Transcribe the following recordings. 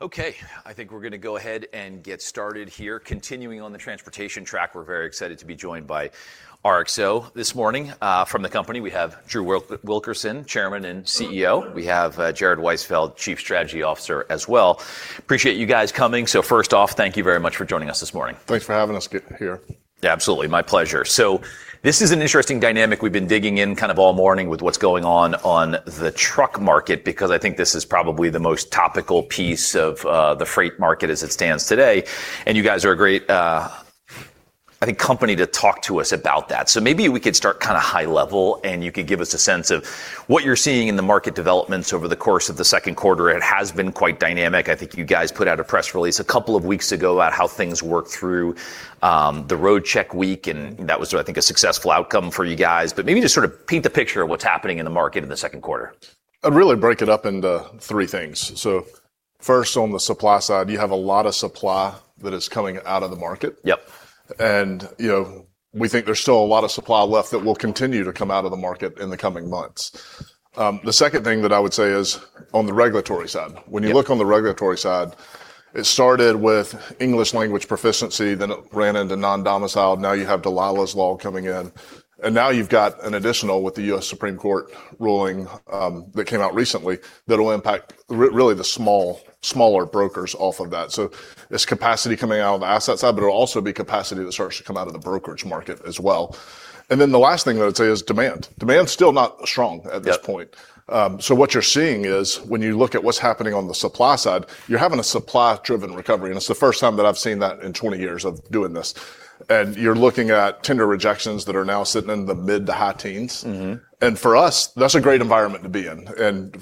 I think we're going to go ahead and get started here continuing on the transportation track. We're very excited to be joined by RXO this morning. From the company, we have Drew Wilkerson, Chairman and CEO. We have Jared Weisfeld, Chief Strategy Officer, as well. Appreciate you guys coming. First off, thank you very much for joining us this morning. Thanks for having us here. Absolutely. My pleasure. This is an interesting dynamic we've been digging in kind of all morning with what's going on on the truck market because I think this is probably the most topical piece of the freight market as it stands today, you guys are a great, I think, company to talk to us about that. Maybe we could start kind of high-level, and you could give us a sense of what you're seeing in the market developments over the course of the second quarter. It has been quite dynamic. I think you guys put out a press release a couple of weeks ago about how things worked through the Roadcheck week, that was, I think, a successful outcome for you guys. Maybe just sort of paint the picture of what's happening in the market in the second quarter. I'd really break it up into three things. First, on the supply side, you have a lot of supply that is coming out of the market. Yep. We think there's still a lot of supply left that will continue to come out of the market in the coming months. The second thing that I would say is on the regulatory side. Yep. When you look on the regulatory side, it started with English language proficiency, and then it ran into non-domiciled. Now you have Dalilah's Law coming in, and now you've got an additional one with the U.S. Supreme Court ruling that came out recently that'll impact really the smaller brokers off of that. There's capacity coming out on the asset side, but it'll also be capacity that starts to come out of the brokerage market as well. The last thing that I'd say is demand. Demand's still not strong at this point. Yep. What you're seeing is when you look at what's happening on the supply side, you're having a supply-driven recovery, and it's the first time that I've seen that in 20 years of doing this. You're looking at tender rejections that are now sitting in the mid to high teens. For us, that's a great environment to be in.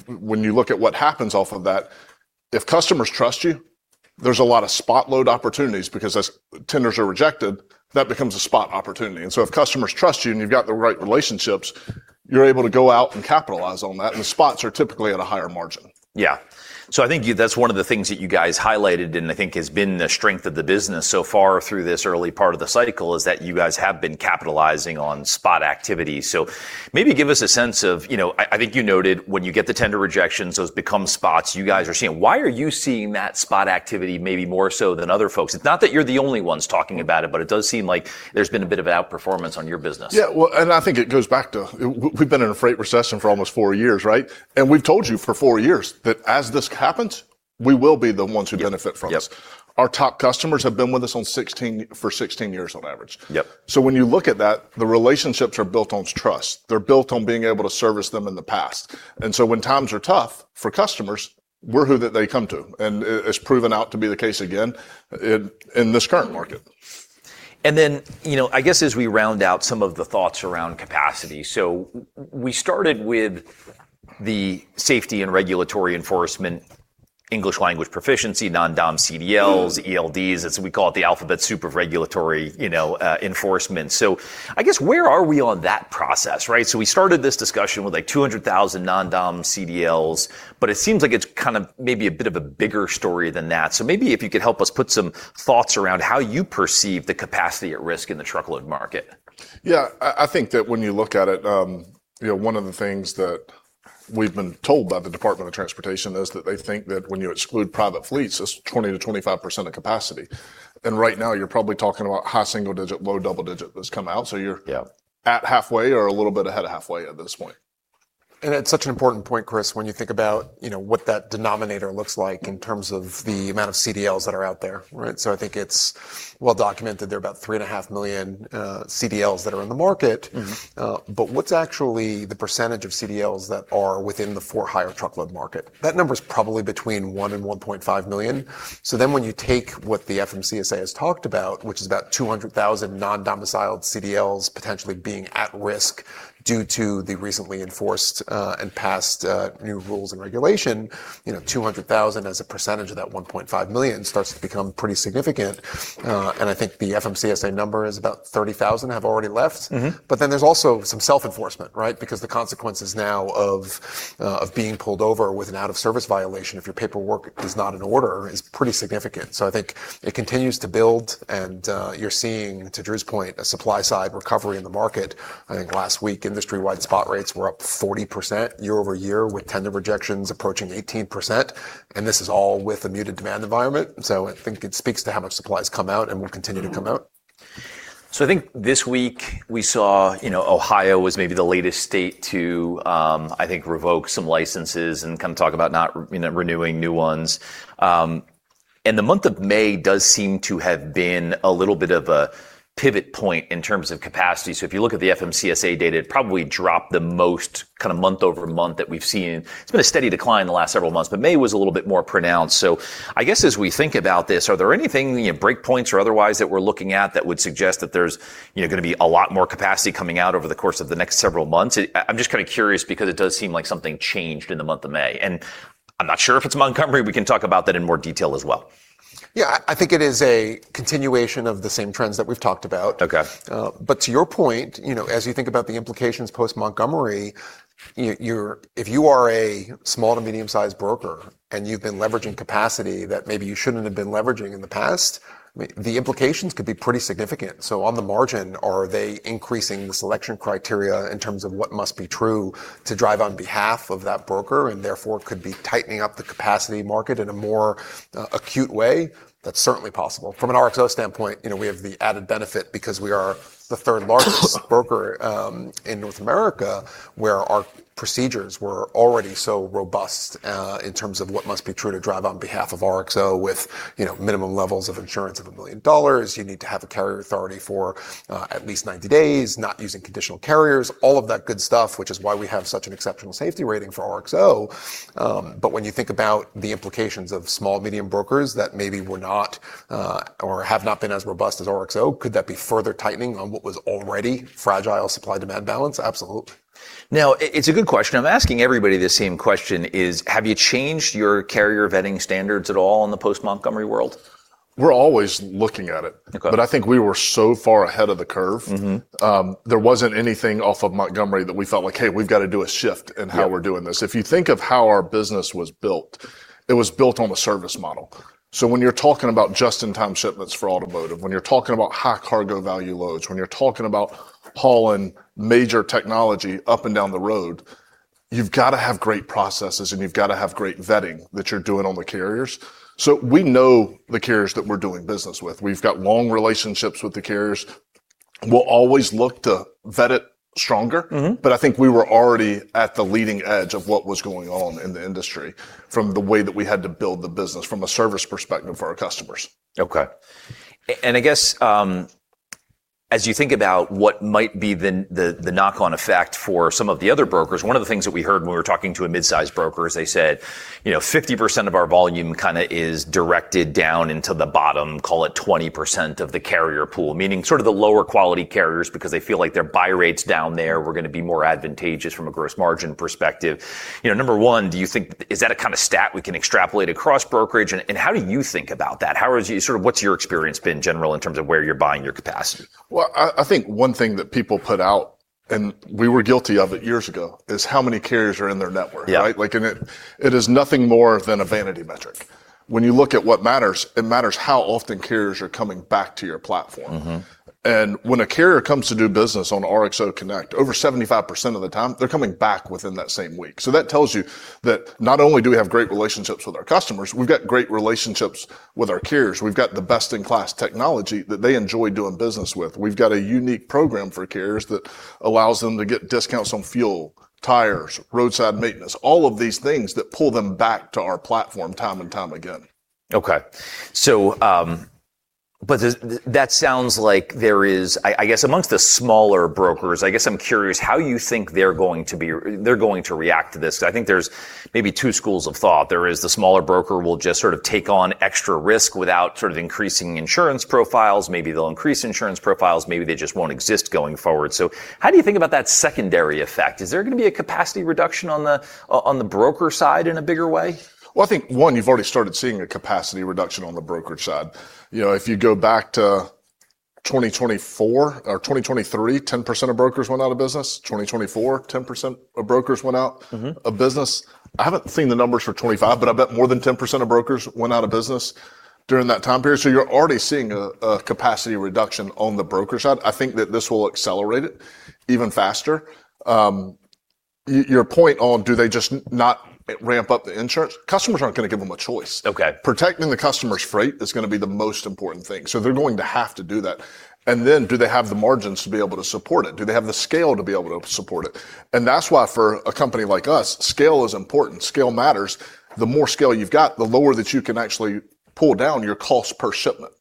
When you look at what happens off of that, if customers trust you, there are a lot of spot load opportunities, because as tenders are rejected, that becomes a spot opportunity. If customers trust you and you've got the right relationships, you're able to go out and capitalize on that. Spots are typically at a higher margin. I think one of the things that you guys highlighted and I think has been the strength of the business so far through this early part of the cycle is that you guys have been capitalizing on spot activity. Maybe give us a sense of, I think you noted when you get the tender rejections, those become spots you guys are seeing. Why are you seeing that spot activity maybe more so than other folks? It's not that you're the only ones talking about it, but it does seem like there's been a bit of outperformance in your business. I think it goes back to we've been in a freight recession for almost four years, right? We've told you for four years that as this happens, we will be the ones who benefit from this. Yep. Our top customers have been with us for 16 years on average. Yep. When you look at that, the relationships are built on trust. They're built on being able to service them in the past. When times are tough for customers, we're who they come to. It's proven out to be the case again in this current market. I guess as we round out some of the thoughts around capacity, we started with the safety and regulatory enforcement, English language proficiency, non-domiciled CDLs, ELDs, as we call it, the alphabet soup of regulatory enforcement. I guess where are we on that process? Right? We started this discussion with like 200,000 non-domiciled CDLs, it seems like it's kind of maybe a bit of a bigger story than that. Maybe if you could help us put some thoughts around how you perceive the capacity at risk in the truckload market. Yeah, I think that when you look at it, one of the things that we've been told by the Department of Transportation is that they think that when you exclude private fleets, that's 20%-25% of capacity. Right now, you're probably talking about high single-digit, low double-digit that's come out. Yep at halfway or a little bit ahead of halfway at this point. That's such an important point, Chris, when you think about what that denominator looks like in terms of the amount of CDLs that are out there. Right? I think it's well documented there are about three and a half million CDLs that are on the market. What's actually the percentage of CDLs that are within the for-hire truckload market? That number's probably between one and 1.5 million. When you take what the FMCSA has talked about, which is about 200,000 non-domiciled CDLs potentially being at risk due to the recently enforced and passed new rules and regulations, 200,000 as a % of that 1.5 million starts to become pretty significant. I think the FMCSA number is about 30,000 have already left. There's also some self-enforcement, right? Because the consequences now of being pulled over with an out-of-service violation if your paperwork is not in order are pretty significant. I think it continues to build, and you're seeing, to Drew's point, a supply-side recovery in the market. I think last week, industry-wide spot rates were up 40% year-over-year, with tender rejections approaching 18%. This is all with a muted demand environment. I think it speaks to how much supply has come out and will continue to come out. I think this week we saw Ohio was maybe the latest state to, I think, revoke some licenses and kind of talk about not renewing new ones. The month of May does seem to have been a little bit of a pivot point in terms of capacity. If you look at the FMCSA data, it probably dropped the most kind of month-over-month that we've seen. It's been a steady decline the last several months, but May was a little bit more pronounced. I guess as we think about this, are there any breakpoints or otherwise that we're looking at that would suggest that there's going to be a lot more capacity coming out over the course of the next several months? I'm just kind of curious because it does seem like something changed in the month of May, and I'm not sure if it's Montgomery. We can talk about that in more detail as well. Yeah, I think it is a continuation of the same trends that we've talked about. Okay. To your point, as you think about the implications post-Montgomery, if you are a small-to-medium-sized broker and you've been leveraging capacity that maybe you shouldn't have been leveraging in the past, the implications could be pretty significant. On the margin, are they increasing the selection criteria in terms of what must be true to drive on behalf of that broker, and therefore could they be tightening up the capacity market in a more acute way? That's certainly possible. From an RXO standpoint, we have the added benefit because we are the third largest broker in North America, where our procedures were already so robust in terms of what must be true to drive on behalf of RXO with minimum levels of insurance of $1 million. You need to have a carrier authority for at least 90 days, not using conditional carriers, all of that good stuff, which is why we have such an exceptional safety rating for RXO. When you think about the implications of small-medium brokers that maybe were not or have not been as robust as RXO, could that be further tightening on what was already a fragile supply-demand balance? Absolutely. Now, it's a good question. I'm asking everybody this same question is: have you changed your career vetting standards at all in the post-Montgomery world? We're always looking at it. Okay. I think we were so far ahead of the curve. There wasn't anything off of Montgomery that we felt like, Hey, we've got to do a shift in how we're doing this. If you think of how our business was built, it was built on the service model. When you're talking about just-in-time shipments for automotive, when you're talking about high-cargo value loads, when you're talking about hauling major technology up and down the road, you've got to have great processes, and you've got to have great vetting that you're doing on the carriers. We know the carriers that we're doing business with. We've got long relationships with the carriers. We'll always look to vet it stronger. I think we were already at the leading edge of what was going on in the industry from the way that we had to build the business from a service perspective for our customers. I guess, as you think about what might be the knock-on effect for some of the other brokers, one of the things that we heard when we were talking to a midsize broker is they said, "50% of our volume kind of is directed down into the bottom, call it 20% of the carrier pool." Meaning the lower quality carriers because they feel like their buy rates down there are going to be more advantageous from a gross margin perspective. Number one, is that a kind of stat we can extrapolate across brokerage, and how do you think about that? What's your experience been in general in terms of where you're buying your capacity? Well, I think one thing that people put out, which we were guilty of years ago, is how many carriers are in their network, right? Yeah. It is nothing more than a vanity metric. When you look at what matters, it matters how often carriers are coming back to your platform. When a carrier comes to do business on RXO Connect, over 75% of the time, they're coming back within that same week. That tells you that not only do we have great relationships with our customers, but we've also got great relationships with our carriers. We've got the best-in-class technology that they enjoy doing business with. We've got a unique program for carriers that allows them to get discounts on fuel, tires, roadside maintenance, and all of these things that pull them back to our platform time and time again. That sounds like there is, I guess, amongst the smaller brokers. I guess I'm curious how you think they're going to react to this. I think there are maybe two schools of thought. There is the smaller broker who will just sort of take on extra risk without increasing insurance profiles. Maybe they'll increase insurance profiles. Maybe they just won't exist going forward. How do you think about that secondary effect? Is there going to be a capacity reduction on the broker side in a bigger way? Well, I think, one, you've already started seeing a capacity reduction on the brokerage side. If you go back to 2024 or 2023, 10% of brokers went out of business. In 2024, 10% of brokers went out of business. I haven't seen the numbers for 2025, but I bet more than 10% of brokers went out of business during that time period. You're already seeing a capacity reduction on the broker side. I think that this will accelerate it even faster. Your point on do they just not ramp up the insurance? Customers aren't going to give them a choice. Okay. Protecting the customer's freight is going to be the most important thing. They're going to have to do that. Then do they have the margins to be able to support it? Do they have the scale to be able to support it? That's why for a company like us, scale is important. Scale matters. The more scale you've got, the lower you can actually pull down your cost per shipment.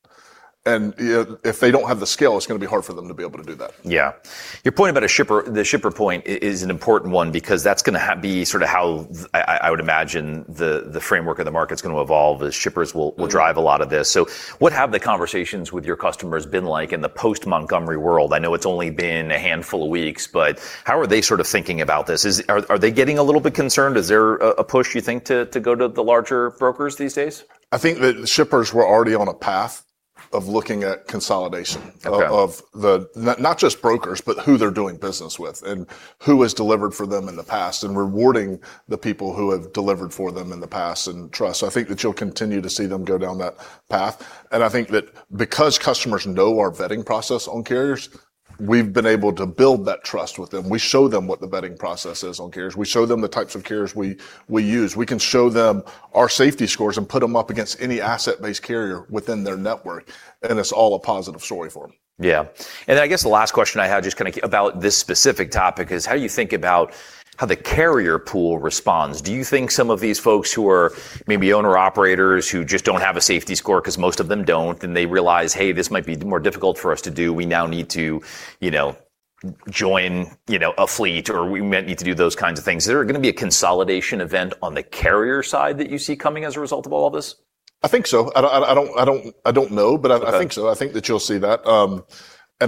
If they don't have the scale, it's going to be hard for them to be able to do that. Yeah. Your point about the shipper point is an important one because that's going to be sort of how I would imagine the framework of the market's going to evolve: shippers will drive a lot of this. What have the conversations with your customers been like in the post-Montgomery world? I know it's only been a handful of weeks, but how are they sort of thinking about this? Are they getting a little bit concerned? Is there a push, you think, to go to the larger brokers these days? I think that shippers were already on a path of looking at consolidation. Okay. Of not just brokers, but who they're doing business with and who has delivered for them in the past, and rewarding the people who have delivered for them in the past and trust. I think that you'll continue to see them go down that path. I think that because customers know our vetting process on carriers, we've been able to build that trust with them. We show them what the vetting process is on carriers. We show them the types of carriers we use. We can show them our safety scores and put them up against any asset-based carrier within their network, and it's all a positive story for them. Yeah. I guess the last question I have just kind of about this specific topic is how you think about how the carrier pool responds. Do you think some of these folks are maybe owner-operators who just don't have a safety score because most of them don't, and they realize, Hey, this might be more difficult for us to do. We now need to join a fleet," or we might need to do those kinds of things. Is there going to be a consolidation event on the carrier side that you see coming as a result of all this? I think so. I don't know, but I think so. I think that you'll see that. I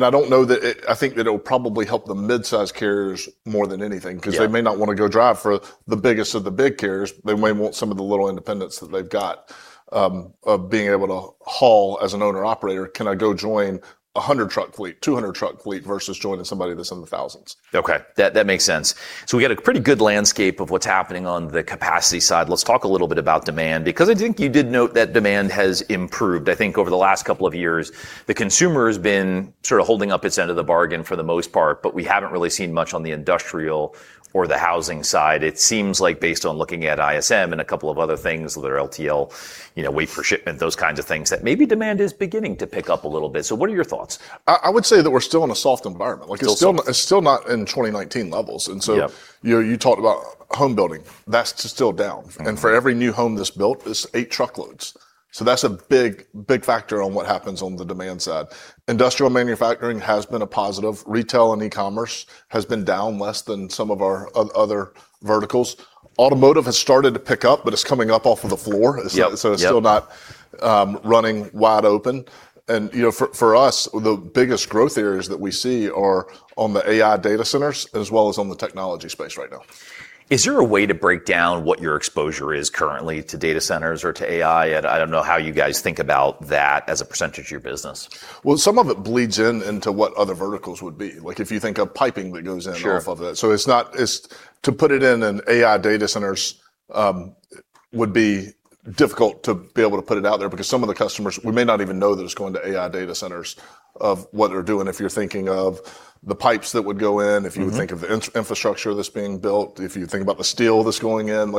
think that it'll probably help the midsize carriers more than anything because they may not want to go drive for the biggest of the big carriers. They may want some of the little independence that they've got of being able to haul as an owner-operator. Can I go join 100 truck fleet, 200 truck fleet versus joining somebody that's in the thousands? Okay. That makes sense. We got a pretty good landscape of what's happening on the capacity side. Let's talk a little bit about demand, because I think you did note that demand has improved. I think over the last couple of years, the consumer has been sort of holding up its end of the bargain for the most part, but we haven't really seen much on the industrial or the housing side. It seems like based on looking at ISM and a couple of other things that are LTL, wait for shipment, those kinds of things, that maybe demand is beginning to pick up a little bit. What are your thoughts? I would say that we're still in a soft environment. Still soft. It's still not in 2019 levels. Yep. You talked about home building. That's still down. For every new home that's built, it's eight truckloads. That's a big factor on what happens on the demand side. Industrial manufacturing has been a positive. Retail and e-commerce have been down less than some of our other verticals. Automotive has started to pick up, it's coming up off of the floor. Yep. It's still not running wide open, and, for us, the biggest growth areas that we see are on the AI data centers as well as on the technology space right now. Is there a way to break down what your exposure is currently to data centers or to AI? I don't know how you guys think about that as a % of your business. Well, some of it bleeds into what other verticals would be. Like if you think of piping that goes Sure To put it in AI data centers would be difficult to be able to put it out there because some of the customers, we may not even know that it's going to AI data centers of what they're doing. If you're thinking of the pipes that would go If you would think of the infrastructure that's being built, if you thought about the steel that's going in,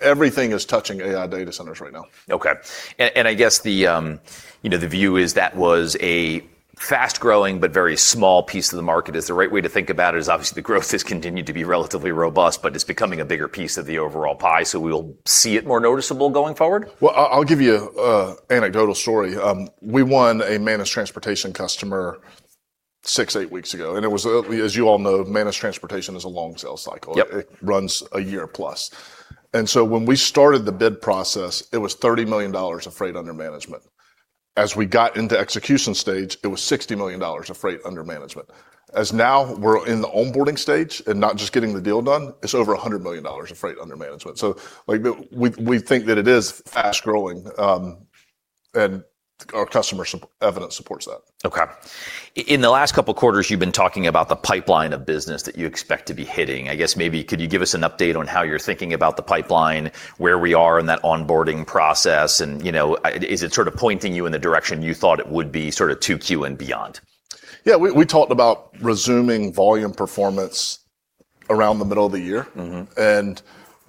everything is touching AI data centers right now. Okay. I guess the view is that it was a fast-growing but very small piece of the market. Is the right way to think about it obviously the growth has continued to be relatively robust, but it's becoming a bigger piece of the overall pie, so we'll see it become more noticeable going forward? I'll give you an anecdotal story. We won a managed transportation customer six or eight weeks ago. As you all know, managed transportation is a long sales cycle. Yep. It runs a year plus. When we started the bid process, it was $30 million of Freight Under Management. As we got into the execution stage, it was $60 million of Freight Under Management. As we're now in the onboarding stage and not just getting the deal done, it's over $100 million of Freight Under Management. We think that it is fast-growing, and our customer evidence supports that. Okay. In the last couple of quarters, you've been talking about the pipeline of business that you expect to be hitting. I guess maybe could you give us an update on how you're thinking about the pipeline, where we are in that onboarding process, and is it sort of pointing you in the direction you thought it would be sort of in 2Q and beyond? Yeah, we talked about resuming volume performance around the middle of the year.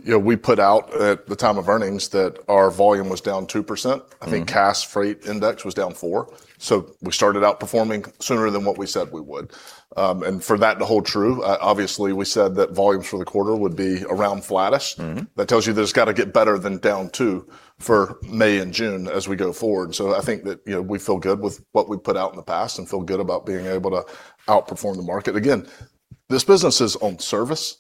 We put out at the time of earnings that our volume was down 2%. I think Cass Freight Index was down four, we started outperforming sooner than what we said we would. For that to hold true, obviously, we said that volumes for the quarter would be around flattish. That tells you that it's got to get better than down two for May and June as we go forward. I think that we feel good with what we've put out in the past and feel good about being able to outperform the market. This business is on service;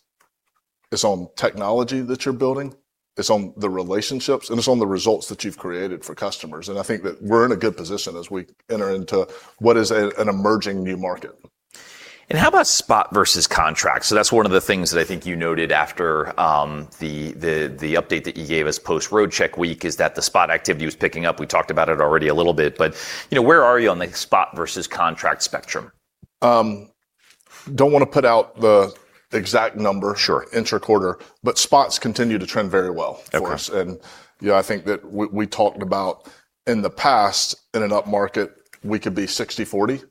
it's on the technology that you're building; it's on the relationships; and it's on the results that you've created for customers. I think that we're in a good position as we enter into what is an emerging new market. How about spot versus contract? That's one of the things that I think you noted after the update that you gave us post Roadcheck week: the spot activity was picking up. We talked about it already a little bit, where are you on the spot versus contract spectrum? Don't want to put out the exact number. Sure Interquarter. Spots continue to trend very well for us. Okay. Yeah, I think that we talked about that in the past; in an upmarket, we could be 60/40.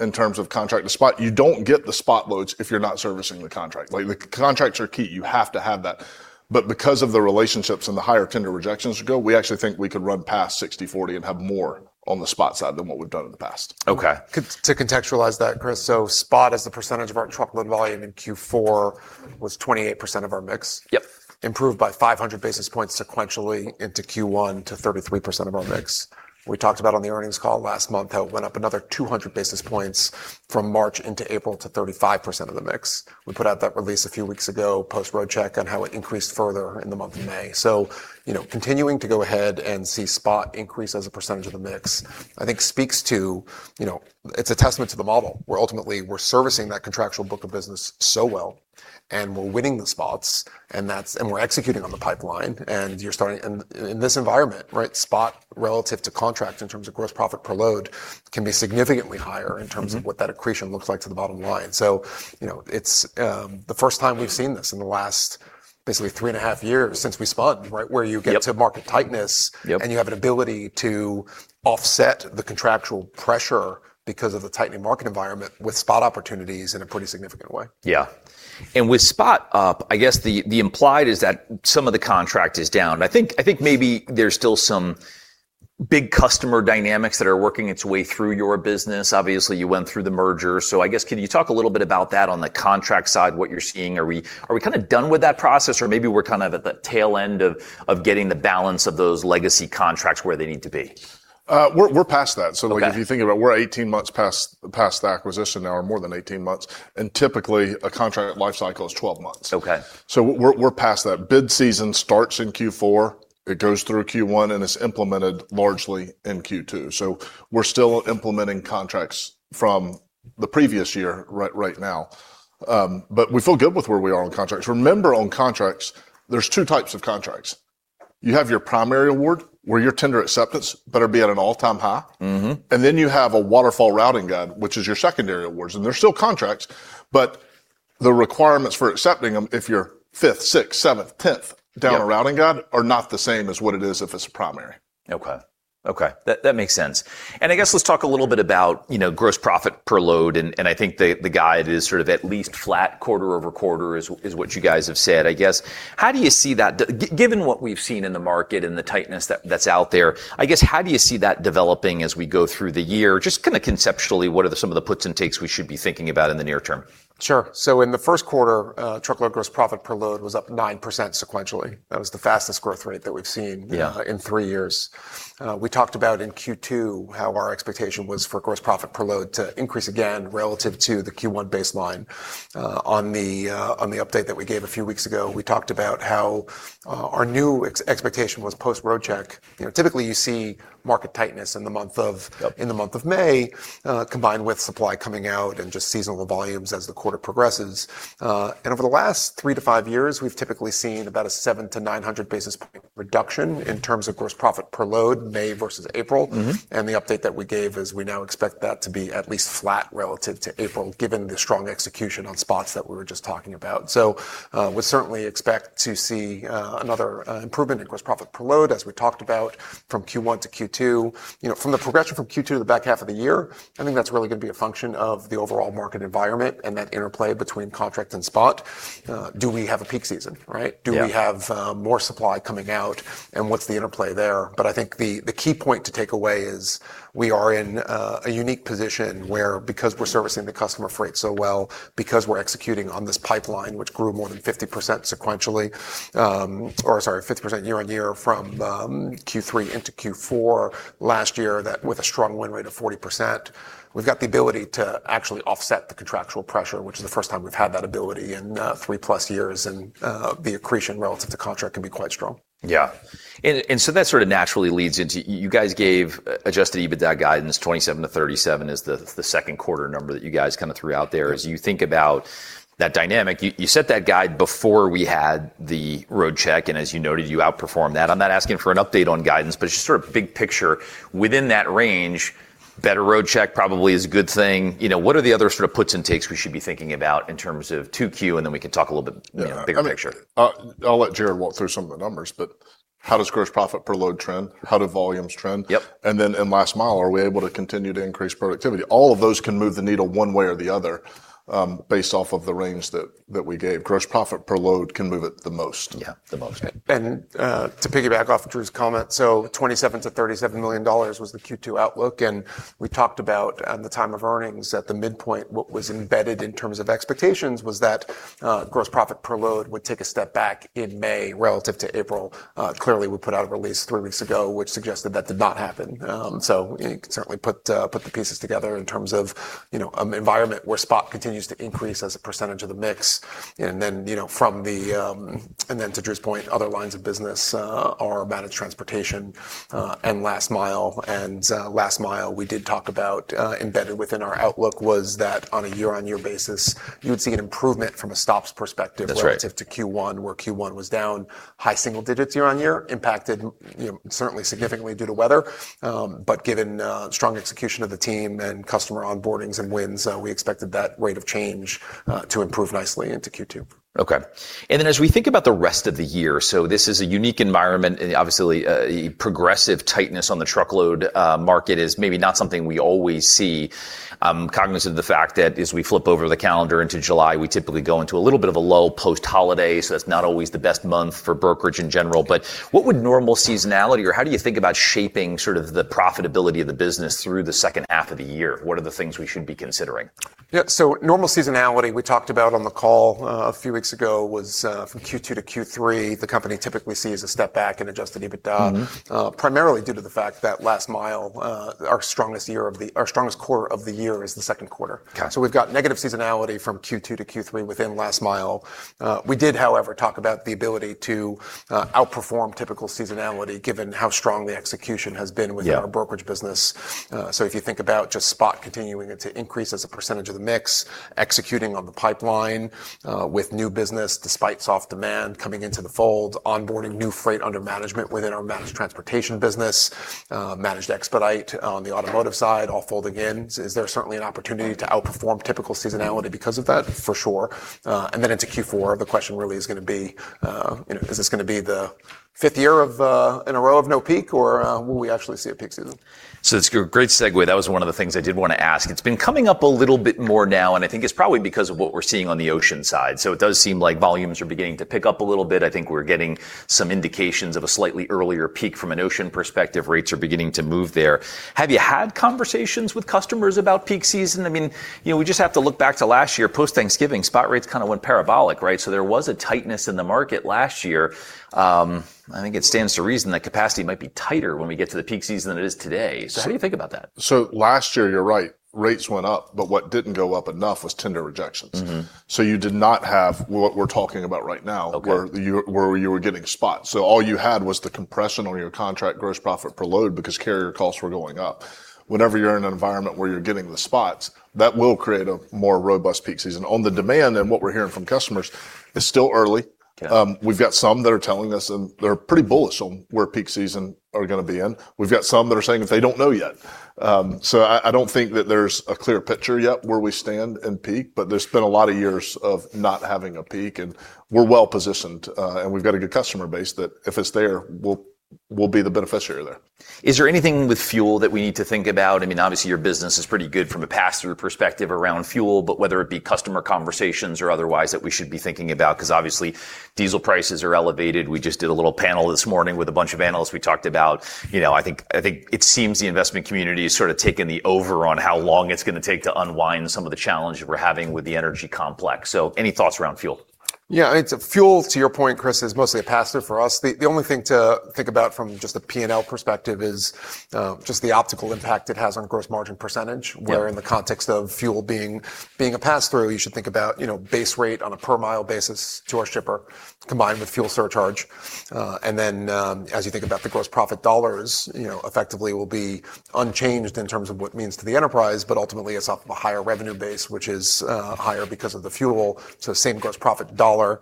In terms of contract to spot. You don't get the spot loads if you're not servicing the contract. The contracts are key. You have to have that. Because of the relationships and the higher tender rejections ago, we actually think we could run past 60/40 and have more on the spot side than what we've done in the past. Okay. To contextualize that, Chris, spot as a percentage of our truckload volume in Q4 was 28% of our mix. Yep. Improved by 500 basis points sequentially into Q1 to 33% of our mix. We talked about on the earnings call last month how it went up another 200 basis points from March into April to 35% of the mix. We put out that release a few weeks ago, post Roadcheck, on how it increased further in the month of May. Continuing to go ahead and see spot increase as a percentage of the mix, I think it's a testament to the model, where ultimately we're servicing that contractual book of business so well and we're winning the spots, and we're executing on the pipeline, and in this environment, spot relative to contract in terms of gross profit per load can be significantly higher in terms of what that accretion looks like to the bottom line. It's the first time we've seen this in the last basically three and a half years since we spun, where you get to market tightness. Yep You have an ability to offset the contractual pressure because of the tightening market environment with spot opportunities in a pretty significant way. Yeah. With a spot up, I guess the implication is that some of the contract is down. I think maybe there are still some big customer dynamics that are working its way through your business. Obviously, you went through the merger. I guess can you talk a little bit about that on the contract side, what you're seeing? Are we kind of done with that process, or maybe we're kind of at the tail end of getting the balance of those legacy contracts where they need to be? We're past that. Okay. If you think about it, we're 18 months past the acquisition now, or more than 18 months; typically a contract life cycle is 12 months. Okay. We're past that. Bid season starts in Q4, it goes through Q1, it's implemented largely in Q2. We're still implementing contracts from the previous year right now. We feel good with where we are on contracts. Remember, on contracts, there are two types of contracts. You have your primary award, where your tender acceptance better be at an all-time high. You have a waterfall Routing Guide, which is your secondary awards, and they are still contracts, but the requirements for accepting them if you are fifth, sixth, seventh, 10th— Yep down a Routing Guide are not the same as what it is if it is a primary. Okay. Okay. That makes sense. I guess let us talk a little bit about gross profit per load, and I think the guide is sort of at least flat quarter-over-quarter, which is what you guys have said. I guess, how do you see that, given what we have seen in the market and the tightness that is out there? I guess, how do you see that developing as we go through the year? Just conceptually, what are some of the puts and takes we should be thinking about in the near term? Sure. In the first quarter, truckload gross profit per load was up 9% sequentially. That was the fastest growth rate that we have seen— Yeah In three years. We talked about in Q2 how our expectation was for gross profit per load to increase again relative to the Q1 baseline. In the update that we gave a few weeks ago, we talked about how our new expectation was post-Roadcheck. Typically, you see market tightness in the month of Yep in the month of May, combined with supply coming out and just seasonal volumes as the quarter progresses. Over the last three-five years, we've typically seen about a 700-900 basis point reduction in terms of gross profit per load, May versus April. The update that we gave is we now expect that to be at least flat relative to April, given the strong execution on spots that we were just talking about. We certainly expect to see another improvement in gross profit per load, as we talked about, from Q1-Q2. From the progression from Q2 to the back half of the year, I think that's really going to be a function of the overall market environment and that interplay between contract and spot. Do we have a peak season, right? Yeah. Do we have more supply coming out, and what's the interplay there? I think the key point to take away is we are in a unique position where because we're servicing the customer freight so well, because we're executing on this pipeline, which grew more than 50% sequentially, or sorry, 50% year-over-year from Q3 into Q4 last year with a strong win rate of 40%, we've got the ability to actually offset the contractual pressure, which is the first time we've had that ability in 3+ years, and the accretion relative to contract can be quite strong. Yeah. That sort of naturally leads into you guys giving adjusted EBITDA guidance; $27-$37 is the second quarter number that you guys threw out there. As you think about that dynamic, you set that guide before we had the Roadcheck, and as you noted, you outperformed that. I'm not asking for an update on guidance, but just sort of the big picture. Within that range, better road checks probably are a good thing. What are the other sorts of puts and takes we should be thinking about in terms of 2Q, and then we can talk a little bit bigger picture. Yeah. I'll let Jared walk through some of the numbers, how does gross profit per load trend? How do volumes trend? Yep. In Last Mile, are we able to continue to increase productivity? All of those can move the needle one way or the other, based off of the range that we gave. Gross profit per load can move it the most. Yeah, the most. To piggyback off of Drew's comment, $27 million-$37 million was the Q2 outlook, and we talked about at the time of earnings at the midpoint what was embedded in terms of expectations was that gross profit per load would take a step back in May relative to April. Clearly, we put out a release three weeks ago, which suggested that did not happen. You can certainly put the pieces together in terms of an environment where spot continues to increase as a percentage of the mix, and then to Drew's point, other lines of business are managed transportation and last mile. Last mile, which we did talk about, embedded within our outlook was that on a year-on-year basis, you would see an improvement from a stops perspective. That's right Relative to Q1, Q1 was down high single digits year-over-year, impacted certainly significantly due to weather. Given strong execution of the team and customer onboardings and wins, we expected that rate of change to improve nicely into Q2. Okay. Then as we think about the rest of the year, this is a unique environment, and obviously, progressive tightness on the truckload market is maybe not something we always see. I'm cognizant of the fact that as we flip over the calendar into July, we typically go into a little bit of a lull post-holiday, so that's not always the best month for brokerage in general. What would normal seasonality be, or how do you think about shaping, sort of the profitability of the business through the second half of the year? What are the things we should be considering? Normal seasonality we talked about on the call a few weeks ago was from Q2 to Q3; the company typically sees a step back in adjusted EBITDA. Primarily due to the fact that Last Mile, our strongest quarter of the year, is the second quarter. Okay. We've got negative seasonality from Q2-Q3 within Last Mile. We did, however, talk about the ability to outperform typical seasonality given how strong the execution has been. Yeah our brokerage business. If you think about just spot continuing to increase as a percentage of the mix, executing on the pipeline with new business despite soft demand coming into the fold, and onboarding new Freight Under Management within our Managed Transportation business, Managed Expedite on the automotive side, all folding in. Is there certainly an opportunity to outperform typical seasonality because of that? For sure. Into Q4, the question really is going to be, is this going to be the fifth year in a row of no peak, or will we actually see a peak season? That's a great segue. That was one of the things I did want to ask. It's been coming up a little bit more now, and I think it's probably because of what we're seeing on the ocean side. It does seem like volumes are beginning to pick up a little bit. I think we're getting some indications of a slightly earlier peak from an ocean perspective. Rates are beginning to move there. Have you had conversations with customers about peak season? We just have to look back to last year. Post-Thanksgiving, spot rates kind of went parabolic, right? There was a tightness in the market last year. I think it stands to reason that capacity might be tighter when we get to the peak season than it is today. How do you think about that? Last year, you're right. Rates went up, but what didn't go up enough was tender rejections. You did not have what we're talking about right now. Okay You were getting spots. All you had was the compression on your contract gross profit per load because carrier costs were going up. Whenever you're in an environment where you're getting the spots, that will create a more robust peak season. On the demand and what we're hearing from customers, it's still early. Okay. We've got some that are telling us they're pretty bullish on where peak season are going to be. We've got some that are saying that they don't know yet. I don't think that there's a clear picture yet of where we stand in peak, but there have been a lot of years of not having a peak, and we're well-positioned, and we've got a good customer base that if it's there, we'll be the beneficiary of. Is there anything with fuel that we need to think about? Obviously, your business is pretty good from a pass-through perspective around fuel, but whether it be customer conversations or otherwise is what we should be thinking about. Obviously diesel prices are elevated. We just did a little panel this morning with a bunch of analysts. We talked about, I think it seems, the investment community has sort of taken over on how long it's going to take to unwind some of the challenges that we're having with the energy complex. Any thoughts around fuel? Yeah. Fuel, to your point, Chris, is mostly a pass-through for us. The only thing to think about from just a P&L perspective is just the optical impact it has on gross margin percentage. Yeah. Where in the context of fuel being a pass-through, you should think about the base rate on a per-mile basis to our shipper, combined with the fuel surcharge. Then, as you think about the gross profit dollars, it effectively will be unchanged in terms of what it means to the enterprise. Ultimately, it's off of a higher revenue base, which is higher because of the fuel. Same gross profit dollar,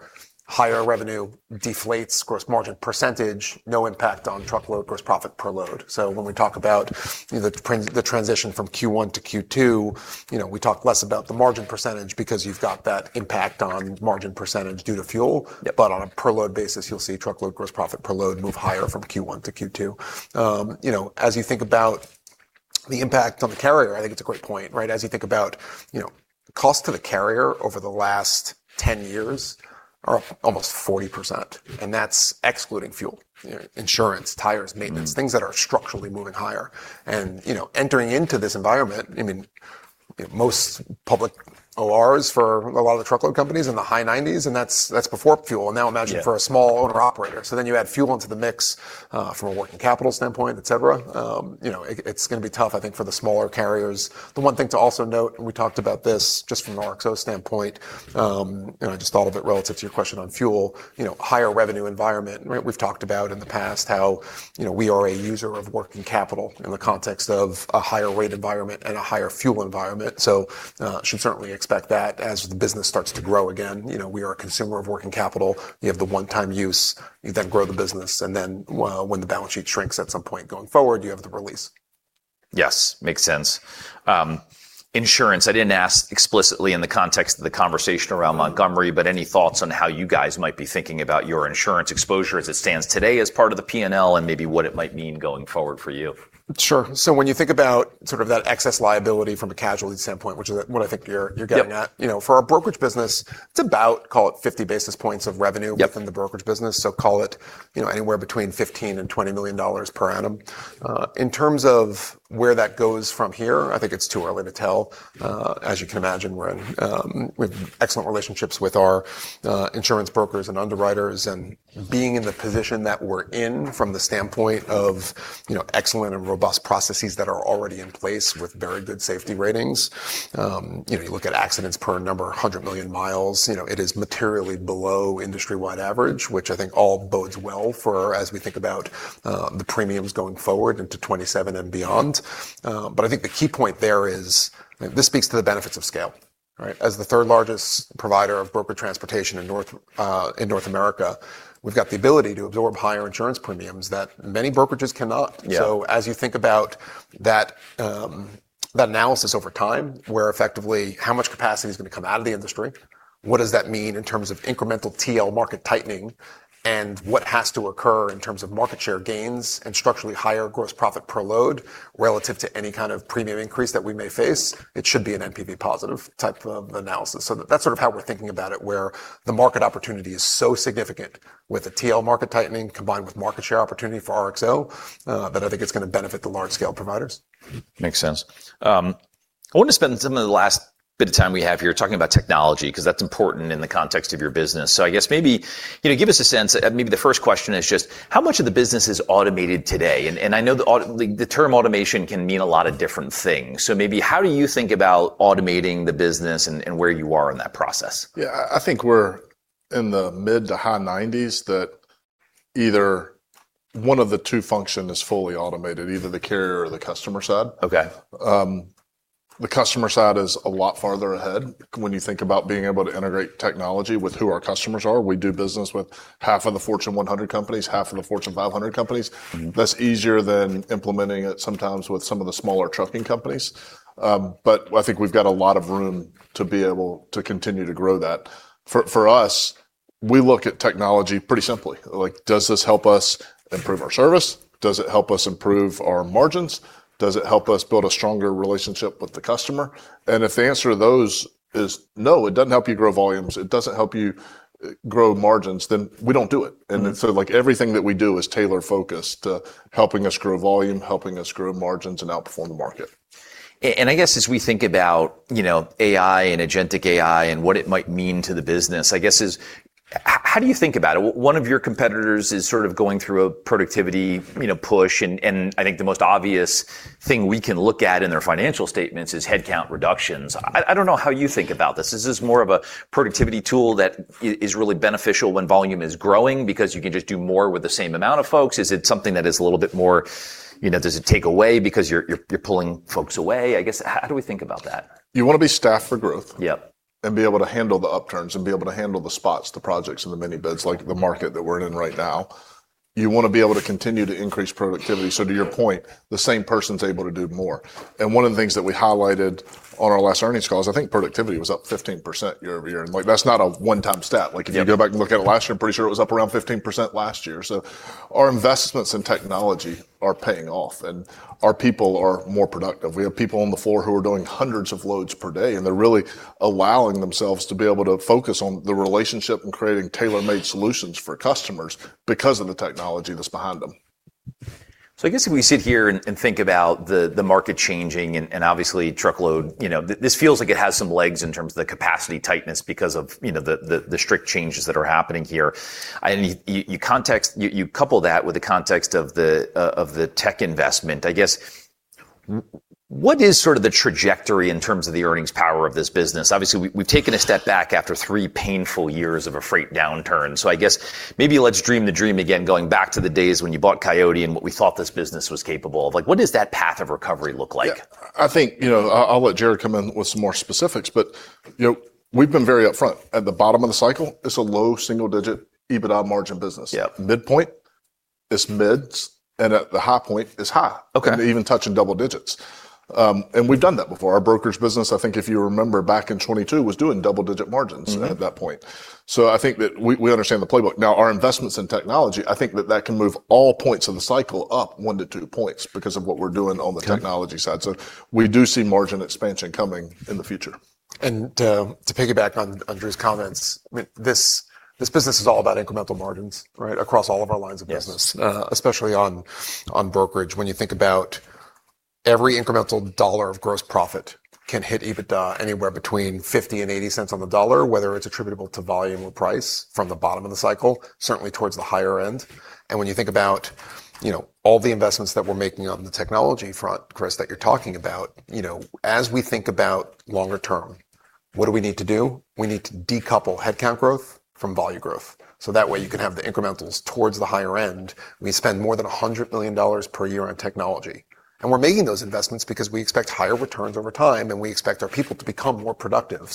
higher revenue deflates gross margin percentage, and no impact on truckload gross profit per load. When we talk about the transition from Q1-Q2, we talk less about the margin percentage because you've got that impact on margin percentage due to fuel. Yeah. On a per-load basis, you'll see truckload gross profit per load move higher from Q1-Q2. As you think about the impact on the carrier, I think it's a great point. As you think about it, cost to the carrier over the last 10 years is up almost 40%, and that's excluding fuel. Insurance, tires, maintenance, and things that are structurally moving higher. Entering into this environment, most public ORs for a lot of the truckload companies are in the high 90s, and that's before fuel. Now imagine it for a small owner-operator. You add fuel into the mix, from a working capital standpoint, et cetera. It's going to be tough, I think, for the smaller carriers. The one thing to also note, and we talked about this just from an RXO standpoint, and I just thought of it relative to your question on fuel, is that Higher revenue environment. We've talked about in the past how we are a user of working capital in the context of a higher rate environment and a higher fuel environment. Should certainly expect that as the business starts to grow again. We are a consumer of working capital. You have the one-time use, you then grow the business, and then when the balance sheet shrinks at some point going forward, you have the release. Yes. Makes sense. Insurance, I didn't ask explicitly in the context of the conversation around Montgomery, but any thoughts on how you guys might be thinking about your insurance exposure as it stands today as part of the P&L and maybe what it might mean going forward for you? Sure. When you think about that excess liability from a casualty standpoint, which is what I think you're getting at. Yep. For our brokerage business, it's about, call it, 50 basis points of revenue. Yep within the brokerage business. Call it anywhere between $15 million and $20 million per annum. In terms of where that goes from here, I think it's too early to tell. As you can imagine, we have excellent relationships with our insurance brokers and underwriters, and we're in the position that we're in from the standpoint of excellent and robust processes that are already in place with very good safety ratings. You look at accidents per number, 100 million miles; it is materially below the industry-wide average, which I think all bodes well for as we think about the premiums going forward into 2027 and beyond. I think the key point there is this speaks to the benefits of scale. As the third-largest provider of brokerage transportation in North America, we've got the ability to absorb higher insurance premiums that many brokerages cannot. Yeah. as you think about that analysis over time, how much capacity is going to come out of the industry, what does that mean in terms of incremental TL market tightening? what has to occur in terms of market share gains and structurally higher gross profit per load relative to any kind of premium increase that we may face? It should be an NPV positive type of analysis. that's sort of how we're thinking about it, where the market opportunity is so significant with the TL market tightening combined with market share opportunity for RXO, that I think it's going to benefit the large-scale providers. Makes sense. I want to spend some of the last bit of time we have here talking about technology, because that's important in the context of your business. I guess maybe give us a sense, maybe the first question is just how much of the business is automated today? I know the term "automation" can mean a lot of different things. maybe how do you think about automating the business and where you are in that process? Yeah, I think we're in the mid-to-high 90s where either one of the two functions is fully automated, either the carrier or the customer side. Okay. The customer side is a lot farther ahead when you think about being able to integrate technology with who our customers are. We do business with half of the Fortune 100 companies and half of the Fortune 500 companies. That's easier than implementing it sometimes with some of the smaller trucking companies. I think we've got a lot of room to be able to continue to grow that. For us, we look at technology pretty simply, like, does this help us improve our service? Does it help us improve our margins? Does it help us build a stronger relationship with the customer? If the answer to those is no, it doesn't help you grow volumes, and it doesn't help you grow margins; we don't do it. Everything that we do is tailor-focused to helping us grow volume, helping us grow margins, and outperforming the market. As we think about AI and agentic AI and what it might mean to the business, how do you think about it? One of your competitors is sort of going through a productivity push; I think the most obvious thing we can look at in their financial statements is headcount reductions. I don't know how you think about this. Is this more of a productivity tool that is really beneficial when volume is growing because you can just do more with the same amount of folks? Is it something that is a little bit more, does it take away because you're pulling folks away, how do we think about that? You want to be staffed for growth. Yep. Be able to handle the upturns and be able to handle the spots, the projects, and the mini bids, like the market that we're in right now. You want to be able to continue to increase productivity, so to your point, the same person's able to do more. One of the things that we highlighted on our last earnings call is that I think productivity was up 15% year-over-year, and that's not a one-time stat. Like if you go back and look at it last year, I'm pretty sure it was up around 15% last year. Our investments in technology are paying off, and our people are more productive. We have people on the floor who are doing hundreds of loads per day; they're really allowing themselves to be able to focus on the relationship and creating tailor-made solutions for customers because of the technology that's behind them. I guess if we sit here and think about the market changing and obviously truckload, this feels like it has some legs in terms of the capacity tightness because of the strict changes that are happening here. You couple that with the context of the tech investment. I guess what is sort of the trajectory in terms of the earnings power of this business? Obviously, we've taken a step back after three painful years of a freight downturn. I guess maybe let's dream the dream again, going back to the days when you bought Coyote and what we thought this business was capable of. What does that path of recovery look like? Yeah. I think I'll let Jared come in with some more specifics, but we've been very upfront. At the bottom of the cycle, it's a low single-digit EBITDA margin business. Yeah. Midpoint, it's mid, and at the high point, it's high. Okay. Even touching double digits. We've done that before. Our brokers' business, I think if you remember back in 2022, was doing double-digit margins at that point. I think that we understand the playbook. Now, our investments in technology—I think that that can move all points in the cycle up one to two points because of what we're doing on the technology side. We do see margin expansion coming in the future. To piggyback on Drew's comments, this business is all about incremental margins, right? Across all of our lines of business. Yes. Especially on brokerage. When you think about every incremental dollar of gross profit, it can hit EBITDA anywhere between $0.50 and $0.80 on the dollar, whether it's attributable to volume or price from the bottom of the cycle, certainly towards the higher end. When you think about all the investments that we're making on the technology front, Chris, that you're talking about, as we think about the longer term, what do we need to do? We need to decouple headcount growth from volume growth. That way you can have the incrementals towards the higher end. We spend more than $100 million per year on technology. we're making those investments because we expect higher returns over time; we expect our people to become more productive.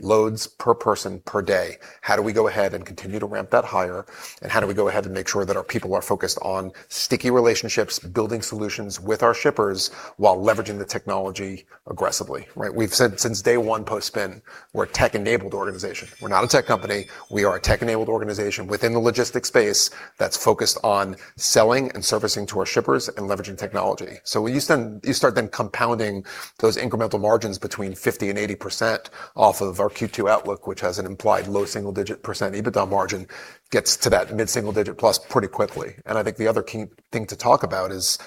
Loads per person per day. How do we go ahead and continue to ramp that higher, how do we go ahead and make sure that our people are focused on sticky relationships, building solutions with our shippers while leveraging the technology aggressively, right? We've said since day one, post-spin, we're a tech-enabled organization. We're not a tech company. We are a tech-enabled organization within the logistics space that's focused on selling and servicing to our shippers and leveraging technology. You start then compounding those incremental margins between 50% and 80% off of our Q2 outlook, which has an implied low single-digit percent EBITDA margin, getting to that mid-single digit plus pretty quickly. I think the other key thing to talk about is,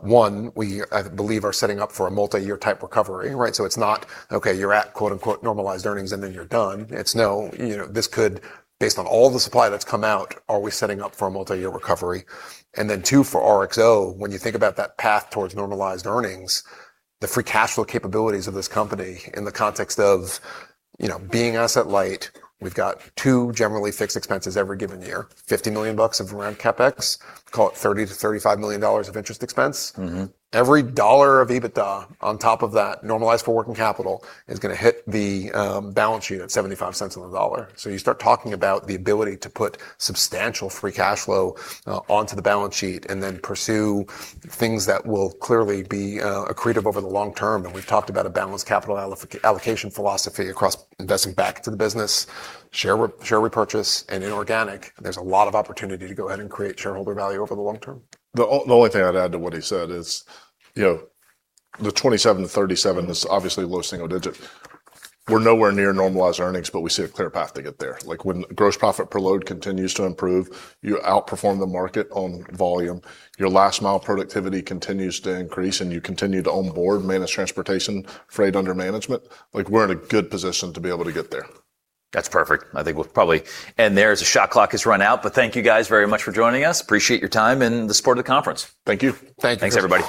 one, we, I believe, are setting up for a multiyear type of recovery, right? It's not okay; you're at, quote-unquote, normalized earnings, and then you're done. It's no, this could, based on all the supply that's come out, be setting us up for a multiyear recovery. Then two, for RXO, when you think about that path towards normalized earnings, the free cash flow capabilities of this company in the context of being asset-light, we've got two generally fixed expenses every given year, $50 million of around CapEx, and call it $30 million-$35 million of interest expense. Every dollar of EBITDA on top of that normalized for working capital is going to hit the balance sheet at $0.75 on the dollar. You start talking about the ability to put substantial free cash flow onto the balance sheet and then pursue things that will clearly be accretive over the long term. We've talked about a balanced capital allocation philosophy across investing back to the business, share repurchase, and inorganic. There's a lot of opportunity to go ahead and create shareholder value over the long term. The only thing I'd add to what he said is 27-37 is obviously low single digit. We're nowhere near normalized earnings, but we see a clear path to get there. Like when gross profit per load continues to improve, you outperform the market on volume, your last mile productivity continues to increase, and you continue to onboard Managed Transportation, Freight Under Management, like we're in a good position to be able to get there. That's perfect. I think we'll probably end there as the shot clock has run out. Thank you guys very much for joining us. Appreciate your time and the support of the conference. Thank you. Thank you. Thanks, everybody.